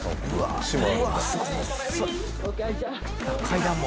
階段も。